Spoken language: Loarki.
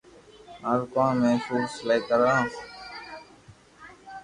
مارو ڪوم ھي سوٽ سلائي ڪرو